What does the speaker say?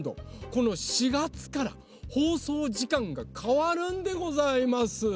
この４がつからほうそうじかんがかわるんでございます！